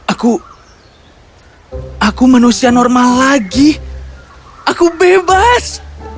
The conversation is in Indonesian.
aku aku manusia normal lagi aku bebas